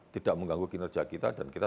tidak mengganggu kinerja kita dan kita